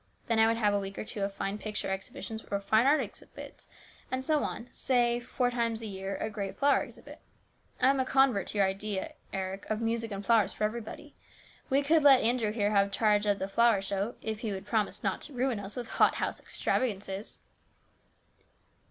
Then I would have a week or two of fine picture exhibitions or fine art exhibits and so on, with, say four times a year, a great flower exhibit. I am a convert to your idea, Eric, of music and flowers for everybody. We could let Andrew here have charge of the flower show, if he would promise not to ruin us with hot house extravagances."